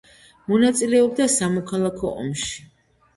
მონაწილეობდა სამოქალაქო ომში.